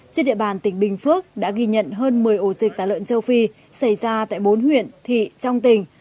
trên địa bàn tỉnh bình phước đã ghi nhận hơn một mươi ổ dịch tả lợn châu phi xảy ra tại bốn huyện thị trong tỉnh